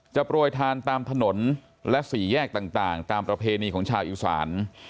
โปรยทานตามถนนและสี่แยกต่างตามประเพณีของชาวอีสาน